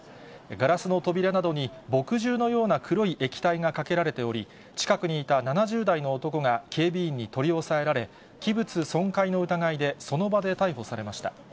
ガラスの扉などに墨汁のような黒い液体がかけられており、近くにいた７０代の男が警備員に取り押さえられ、器物損壊の疑いで、その場で逮捕されました。